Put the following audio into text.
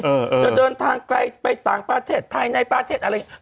เออเออจะเดินทางใกล้ไปต่างประเทศภายในประเทศอะไรอย่างนี้